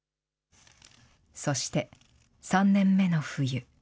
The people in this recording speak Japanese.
そして３年目の冬。